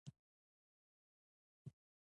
له موټره يې کښته کړم.